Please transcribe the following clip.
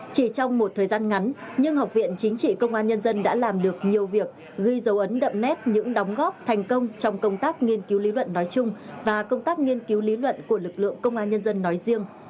chỉ trong một thời gian ngắn nhưng học viện chính trị công an nhân dân đã làm được nhiều việc ghi dấu ấn đậm nét những đóng góp thành công trong công tác nghiên cứu lý luận nói chung và công tác nghiên cứu lý luận của lực lượng công an nhân dân nói riêng